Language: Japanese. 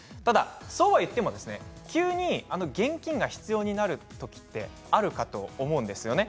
そうはいっても急に現金が必要になるときってあるかと思うんですよね。